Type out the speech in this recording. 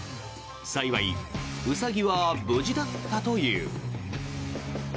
幸いウサギは無事だったという。